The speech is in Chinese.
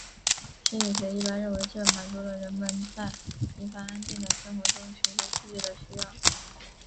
心理学一般认为这满足了人们在平凡安定的生活中寻求刺激的需要。